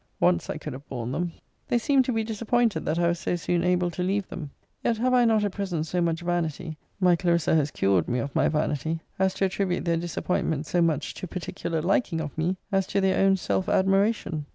Once I could have borne them. They seemed to be disappointed that I was so soon able to leave them. Yet have I not at present so much vanity [my Clarissa has cured me of my vanity] as to attribute their disappointment so much to particular liking of me, as to their own self admiration.